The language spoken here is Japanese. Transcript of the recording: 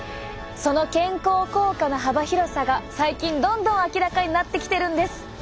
その健康効果の幅広さが最近どんどん明らかになってきてるんです。